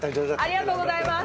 ありがとうございます。